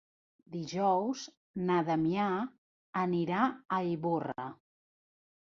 Dijous na Damià anirà a Ivorra.